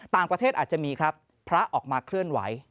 ต่างประเทศอาจจะมีครับพระออกมาเคลื่อนไหว